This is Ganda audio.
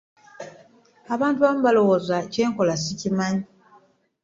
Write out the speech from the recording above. Abantu abamu balowooza kyenkola sikimanyi.